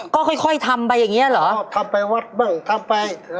ก็ค่อยค่อยทำไปอย่างนี้เหรอทำไปวัดบ้างทำไป